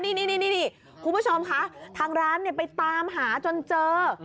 นี่คุณผู้ชมคะทางร้านไปตามหาจนเจอ